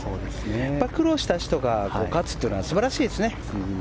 苦労した人が勝つというのは素晴らしいですね。